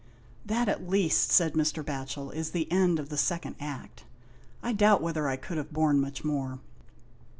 "That, at least," said Mr. Batchel, "is the end of the second Act. I doubt whether I could have borne much more.